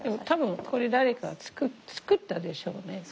多分これ誰か作ったでしょうね。